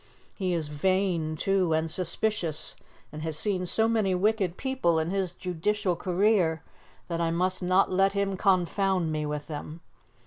He is vain, too, and suspicious, and has seen so many wicked people in his judicial career that I must not let him confound me with them.